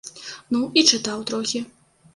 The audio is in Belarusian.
Ну і чытаў трохі.